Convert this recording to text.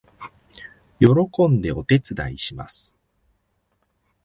喜んでお手伝いします